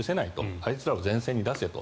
あいつらを前線に出せと。